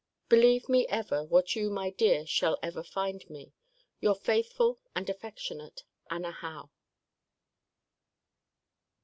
Believe me ever, what you, my dear, shall ever find me, Your faithful and affectionate, ANNA HOWE.